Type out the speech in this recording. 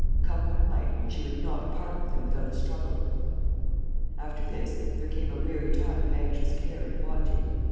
Come what might, she would not part with him without a struggle. After this, there came a weary time of anxious care and watching.